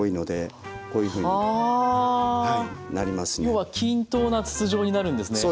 要は均等な筒状になるんですね。